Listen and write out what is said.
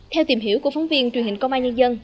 theo tìm hiểu của phóng viên truyền hình công an nhân dân